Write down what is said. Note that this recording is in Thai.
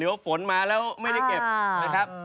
เดี๋ยวฝนมาแล้วไม่ได้เก็บนะครับ